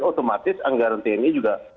otomatis anggaran tni juga